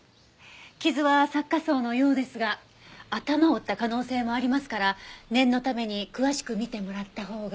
傷は擦過創のようですが頭を打った可能性もありますから念のために詳しく診てもらったほうが。